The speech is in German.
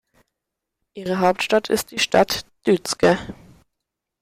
Ihre Hauptstadt ist die Stadt Düzce.